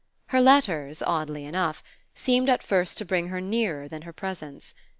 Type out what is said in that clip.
Her letters, oddly enough, seemed at first to bring her nearer than her presence.